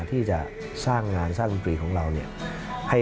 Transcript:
ที่จะสร้างงานสร้างดนตรีของเราเนี่ย